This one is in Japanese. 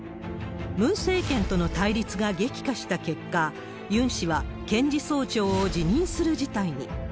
ムン政権との対立が激化した結果、ユン氏は検事総長を辞任する事態に。